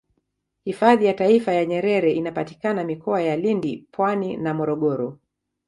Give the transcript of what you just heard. hifadhi ya taifa ya nyerere inapatikana mikoa ya lindi pwani na morogoro